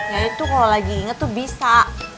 ya itu kalau lagi ingat tuh bisa